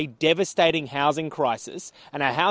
kita memiliki krisis penduduk yang terlalu berlebihan